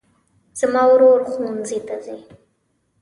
زما ورور ښوونځي ته ځي